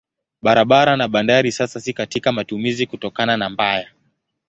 Barabara na bandari sasa si katika matumizi kutokana na mbaya.